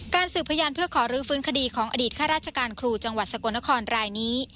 สืบพยานเพื่อขอรื้อฟื้นคดีของอดีตข้าราชการครูจังหวัดสกลนครรายนี้